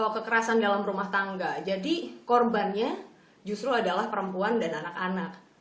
kekerasan dalam rumah tangga jadi korbannya justru adalah perempuan dan anak anak